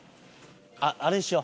あっあれしよう。